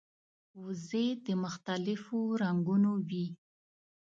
وزې د مختلفو رنګونو وي